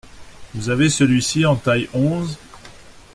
Vous avez celui-ci en taille onze.